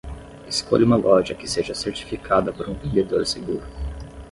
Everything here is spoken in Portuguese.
Escolha uma loja que seja certificada por um vendedor seguro